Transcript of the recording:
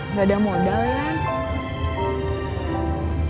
gak ada modal ya